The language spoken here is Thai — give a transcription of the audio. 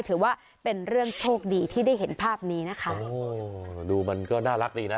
ถือว่าเป็นเรื่องโชคดีที่ได้เห็นภาพนี้นะคะโอ้ดูมันก็น่ารักดีนะ